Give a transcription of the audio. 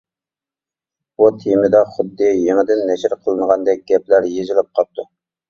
بۇ تېمىدا خۇددى يېڭىدىن نەشر قىلىنغاندەك گەپلەر يېزىلىپ قاپتۇ.